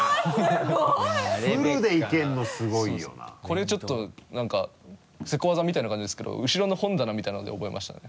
これがちょっと何かせこ技みたいな感じですけど後ろの本棚みたいなので覚えましたね。